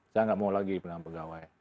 saya tidak mau lagi penerimaan pegawai